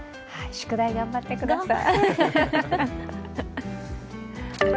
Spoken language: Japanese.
宿題、頑張ってください。